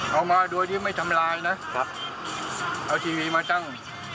เอามาโดยที่ไม่ทำลายนะครับเอาทีวีมาตั้ง